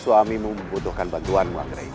suamimu membutuhkan bantuanmu anggraini